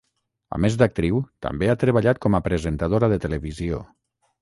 A més d'actriu, també ha treballat com a presentadora de televisió.